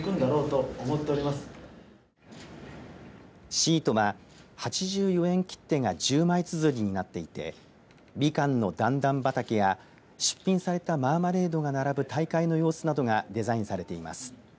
シートは８４円切手が１０枚つづりになっていてみかんの段々畑や出品されたマーマレードが並ぶ大会の様子などがデザインされています。